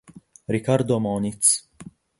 Ricardo Moniz